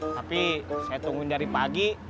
tapi saya tunggu dari pagi